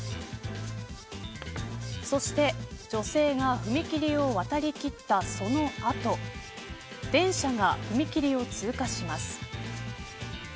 そして、女性が踏切を渡りきったその後電車が踏切を通過します。